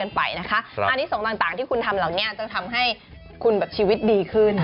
อันนี้สงฆ์ต่างที่คุณทำเหล่านี้จะทำให้คุณชีวิตดีขึ้น